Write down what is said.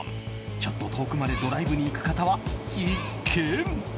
ちょっと遠くまでドライブに行く方は必見。